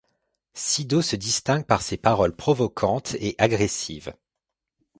Sido se distingue par ses paroles provocantes et agressives.